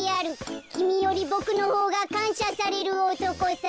きみよりボクのほうがかんしゃされるおとこさ。